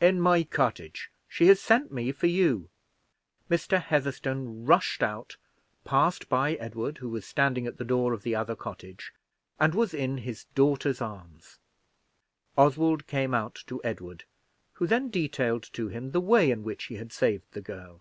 "In my cottage. She has sent me for you." Mr. Heatherstone rushed out, passed by Edward, who was standing at the door of the other cottage, and was in his daughter's arms. Oswald came out to Edward, who then detailed to him the way in which he had saved the girl.